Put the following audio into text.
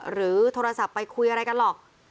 หรือโทรศัพท์ไปคุยอะไรกันหรอก